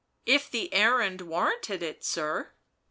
" If the errand warranted it, sir."